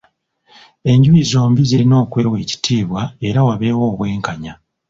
Enjuyi zombi zirina okwewa ekitiibwa era wabeewo obwenkanya.